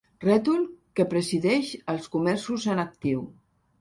Rètol que presideix els comerços en actiu.